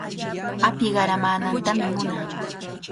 Api qaramaanantami munaa.